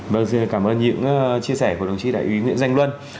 vâng xin cảm ơn những chia sẻ của đồng chí đại úy nguyễn danh luân